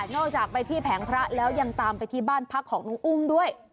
จากไปที่แผงพระแล้วยังตามไปที่บ้านพักของน้องอุ้มด้วย